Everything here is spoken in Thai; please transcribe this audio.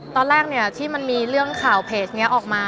ตอนแรกเนี่ยที่มันมีเรื่องข่าวเพจนี้ออกมา